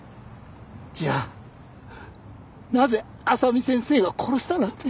じゃあなぜ麻美先生が殺したなんて。